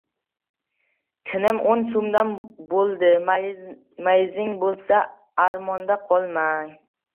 — Chinim, o‘n so‘mdan bo‘ldi. Mayizingiz bo‘lsa, armonda qolmang!